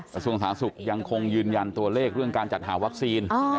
กระทรวงสาธารณสุขยังคงยืนยันตัวเลขเรื่องการจัดหาวัคซีน